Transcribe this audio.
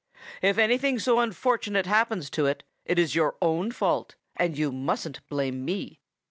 'If anything so unfortunate happens to it, it is your own fault, and you mustn't blame me.'